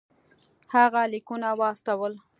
هغه لیکونه واستول.